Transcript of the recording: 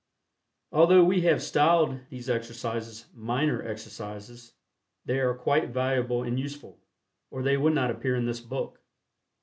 Although we have styled these exercises "minor exercises," they are quite valuable and useful, or they would not appear in this book.